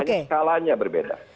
hanya skalanya berbeda